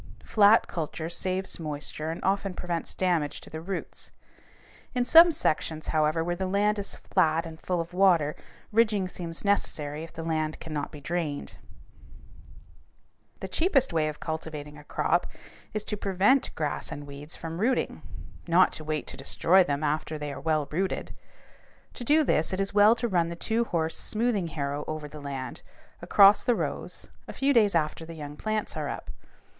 Flat culture saves moisture and often prevents damage to the roots. In some sections, however, where the land is flat and full of water, ridging seems necessary if the land cannot be drained. [Illustration: FIG. 186. PICKING COTTON] The cheapest way of cultivating a crop is to prevent grass and weeds from rooting, not to wait to destroy them after they are well rooted. To do this, it is well to run the two horse smoothing harrow over the land, across the rows, a few days after the young plants are up.